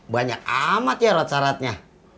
banyak amat ya alat syaratnya